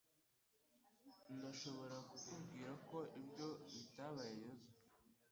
Ndashobora kukubwira ko ibyo bitabaye Yozefu